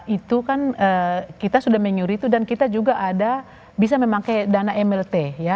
itu kan kita sudah menyuruh itu dan kita juga ada bisa memakai dana mlt ya